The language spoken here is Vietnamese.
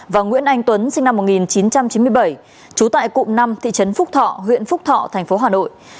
và nguyễn anh tuấn sinh năm một nghìn chín trăm chín mươi bảy trú tại cụm năm thị trấn phúc thọ huyện phúc thọ tp hcm